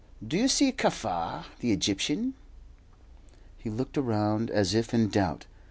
"Do you see Kaffar, the Egyptian?" He looked around as if in doubt.